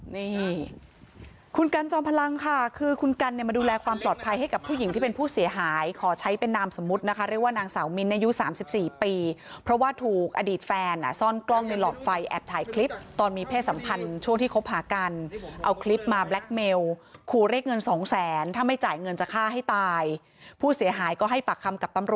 นี่คุณกันจอมพลังค่ะคือคุณกันเนี่ยมาดูแลความปลอดภัยให้กับผู้หญิงที่เป็นผู้เสียหายขอใช้เป็นนามสมมุตินะคะเรียกว่านางสาวมิ้นอายุ๓๔ปีเพราะว่าถูกอดีตแฟนซ่อนกล้องในหลอดไฟแอบถ่ายคลิปตอนมีเพศสัมพันธ์ช่วงที่คบหากันเอาคลิปมาแบล็คเมลขู่เรียกเงินสองแสนถ้าไม่จ่ายเงินจะฆ่าให้ตายผู้เสียหายก็ให้ปากคำกับตำรวจ